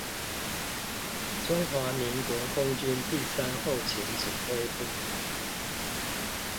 中華民國空軍第三後勤指揮部